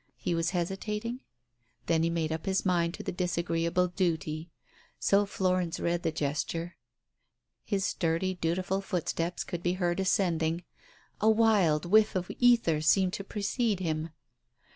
He was hesitating? ... Then he made up his mind to the disagreeable duty. So Florence read the gesture. His sturdy dutiful footsteps could be heard ascending ... a wild whiff of ether seemed to precede l\im